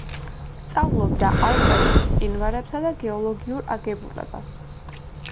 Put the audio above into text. სწავლობდა ალპების მყინვარებსა და გეოლოგიურ აგებულებას.